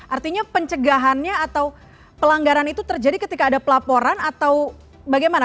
artinya pencegahannya atau pelanggaran itu terjadi ketika ada pelaporan atau bagaimana